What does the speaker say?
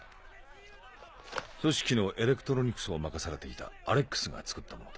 組織のエレクトロニクスを任されていたアレックスが作ったものだ。